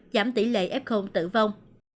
giảm tỷ lệ f tử vong